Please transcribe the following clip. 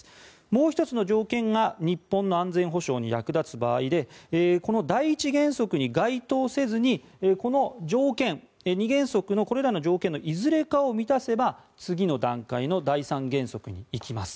もう１つの条件が日本の安全保障に役立つ場合でこの第１原則に該当せずにこの条件、２原則のこれらの条件のいずれかを満たせば次の段階の第３原則に行きます。